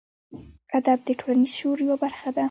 ادب د ټولنیز شعور یوه برخه ده.